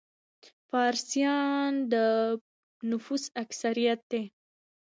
فارسیان د نفوس اکثریت دي.